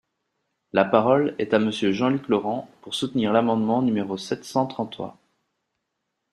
La parole est à Monsieur Jean-Luc Laurent, pour soutenir l’amendement numéro sept cent trente-trois.